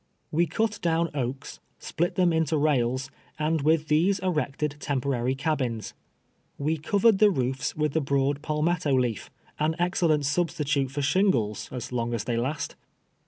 We cut down oaks, split them into rails, ami with these erected temporary cabins. We covered the roofs with the broad palmetto leaf, an excellent sub stitute for shingles, as long as they last.